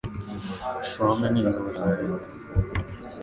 Schramme n'Ingabo za Leta